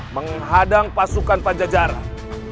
menghadang pasukan pancajaran